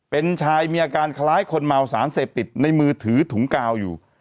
เป็นชายมีอาการคล้ายคนเมาสารเสพติดในมือถือถุงกาวอยู่